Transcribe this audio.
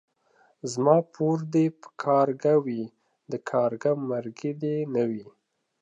زما پور دي پر کارگه وي ،د کارگه مرگى دي نه وي.